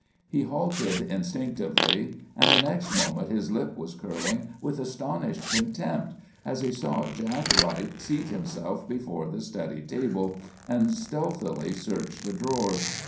He halted instinctively; and the next moment his lip was curling with astonished contempt as he saw Jack Wright seat himself before the study table, and stealthily search the drawers.